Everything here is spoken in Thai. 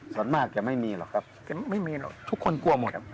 ส่วนมากจะไม่มีหรอกครับทุกคนกลัวหมด